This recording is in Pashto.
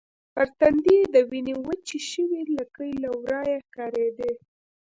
پر تندي يې د وینې وچې شوې لکې له ورایه ښکارېدې.